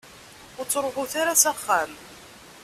Ur ttruḥut ara s axxam.